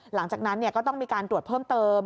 หลังจากนั้นก็ต้องมีการตรวจเพิ่มเติม